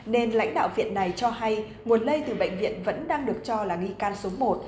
nên lãnh đạo viện này cho hay nguồn lây từ bệnh viện vẫn đang được cho là nghi can số một